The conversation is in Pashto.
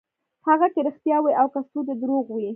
هغه که رښتيا وي او که سوچه درواغ وي.